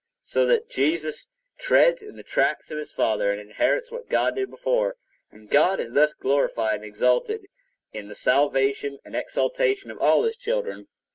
So that Jesus treads in the tracks of his Father, and inherits what God did before; and God is thus glorified and exalted in the salvation and exaltation of all his children.